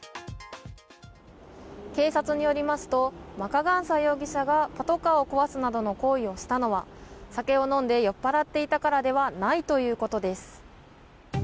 警察によりますとマカガンサ容疑者がパトカーを壊すなどの行為をしたのは酒を飲んで酔っ払っていたからではないということです。